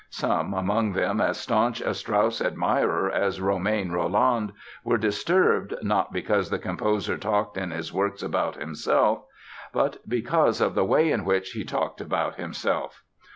Some, among them as staunch a Strauss admirer as Romain Rolland, were disturbed not because the composer talked in his works "about himself" but "because of the way in which he talked about himself."